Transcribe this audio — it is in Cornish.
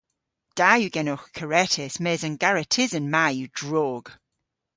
Da yw genowgh karetys mes an garetysen ma yw drog.